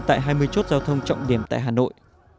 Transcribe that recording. tại hai mươi chốt giao thông trọng điểm tại hà nội